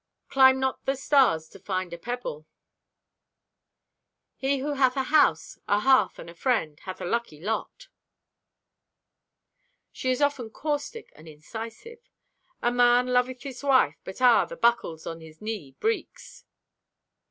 "Climb not the stars to find a pebble." "He who hath a house, a hearth and a friend hath a lucky lot." She is often caustic and incisive. "A man loveth his wife, but, ah, the buckles on his knee breeks!"